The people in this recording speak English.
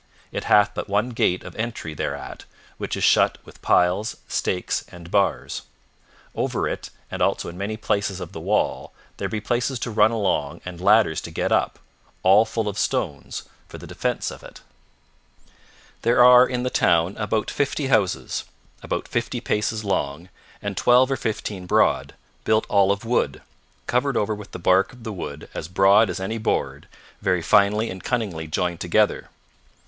It hath but one gate of entry thereat, which is shut with piles, stakes, and bars. Over it and also in many places of the wall there be places to run along and ladders to get up, all full of stones, for the defence of it. There are in the town about fifty houses, about fifty paces long, and twelve or fifteen broad, built all of wood, covered over with the bark of the wood as broad as any board, very finely and cunningly joined together.